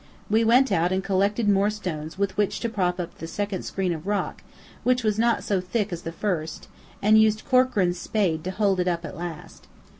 We went out and collected more stones with which to prop up the second screen of rock, which was not so thick as the first, and used Corkran's spade to hold it up at last.